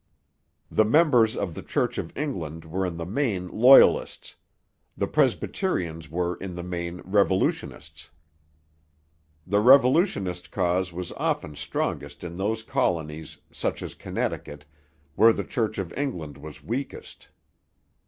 The members of the Church of England were in the main Loyalists; the Presbyterians were in the main revolutionists. The revolutionist cause was often strongest in those colonies, such as Connecticut, where the Church of England was weakest.